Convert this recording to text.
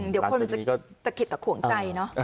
เดี๋ยวคุณจะตะเข็ดกับห่วงใจนะ